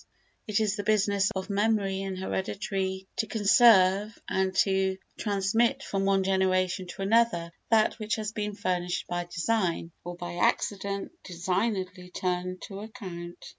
It is the business of memory and heredity to conserve and to transmit from one generation to another that which has been furnished by design, or by accident designedly turned to account.